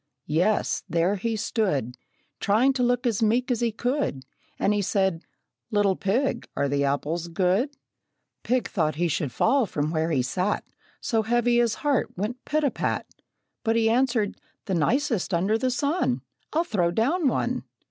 Yes, there he stood, Trying to look as meek as he could, And he said, "Little pig, are the apples good?" Pig thought he should fall from where he sat, So heavy his heart went pit a pat. But he answered, "The nicest under the sun! I'll throw down one!"